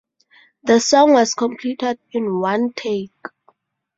The song was completed in one take.